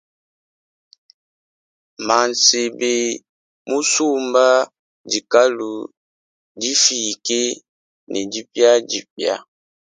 Mansebe musumba dikalu difike ne dipiadipia.